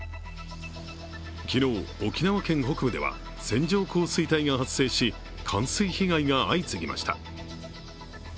昨日、沖縄県北部では線状降水帯が発生し、冠水被害が相次ぎました。